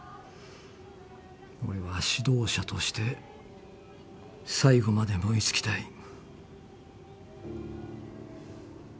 俺は指導者として最後まで燃え尽きたい。